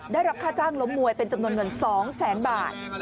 ได้รับค่าจ้างล้มมวยเป็นจำนวนเงิน๒แสนบาท